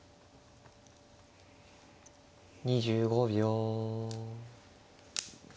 ２５秒。